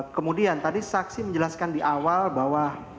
kemudian tadi saksi menjelaskan di awal bahwa